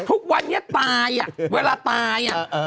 ทุกวันนี้ตายอ่ะเวลาตายอ่ะ